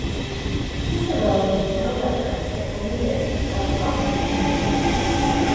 Cicero makes no reference to any myth of Bona Dea.